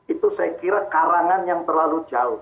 itu saya kira karangan yang terlalu jauh